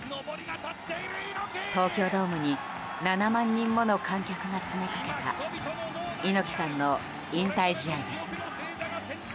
東京ドームに７万人もの観客が詰めかけた猪木さんの引退試合です。